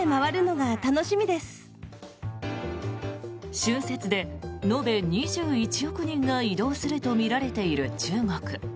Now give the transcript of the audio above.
春節で延べ２１億人が移動するとみられている中国。